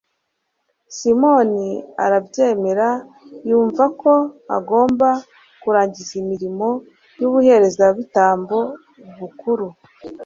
simoni arabyemera, yumva ko agomba kurangiza imirimo y'ubuherezabitambo bukuru